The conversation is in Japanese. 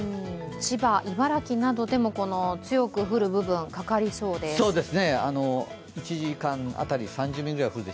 千葉、茨城などでも強く降る部分、かかりそうです。